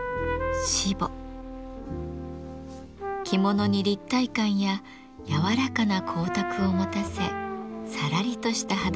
着物に立体感や柔らかな光沢を持たせさらりとした肌触りも生み出します。